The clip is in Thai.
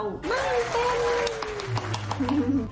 ไม่เป็น